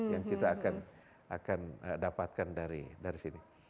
yang kita akan dapatkan dari sini